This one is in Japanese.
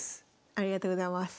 ありがとうございます。